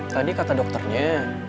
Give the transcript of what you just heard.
tadi kata dokternya